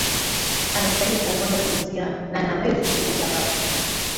anastahili kuongoza tunisia na nawezi kumuita baba